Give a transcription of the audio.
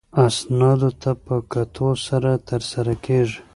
اسنادو ته په کتو سره ترسره کیږي.